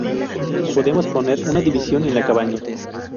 Podemos poner una división en la cabaña".